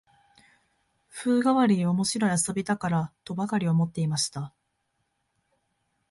風変わりで面白い遊びだから、とばかり思っていました